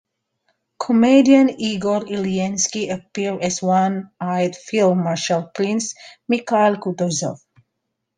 Comedian Igor Ilyinsky appeared as one-eyed Field-Marshal Prince Mikhail Kutuzov.